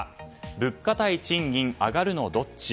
物価ＶＳ賃金アガるのどっち？